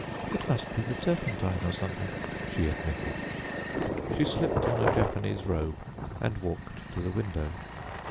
"It must be the turpentine, or something," she admitted. She slipped on a Japanese robe and walked to the window.